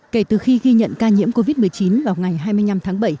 kể từ khi ghi nhận ca nhiễm covid một mươi chín vào ngày hai mươi năm tháng bảy